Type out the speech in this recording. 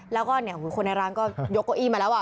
แล้วก็เนี่ยคนในร้านก็ยกโกอีมาแล้วอ่ะ